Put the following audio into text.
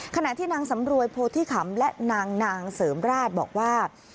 ขณะที่นางสำรวยโพธิขำและนางเสริมราชบอกว่า